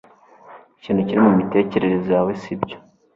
Ikintu kiri mumitekerereze yawe sibyo